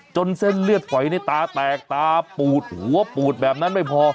เส้นเลือดฝอยในตาแตกตาปูดหัวปูดแบบนั้นไม่พอ